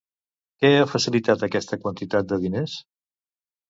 Què ha facilitat aquesta quantitat de diners?